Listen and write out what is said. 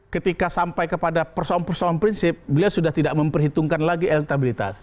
ketika sampai kepada persoalan persoalan prinsip beliau sudah tidak memperhitungkan lagi elektabilitas